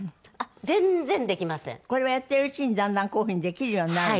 これはやってるうちにだんだんこういう風にできるようになるの？